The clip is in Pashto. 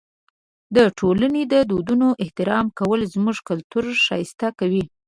د ټولنې د دودونو احترام کول زموږ کلتور ښایسته کوي.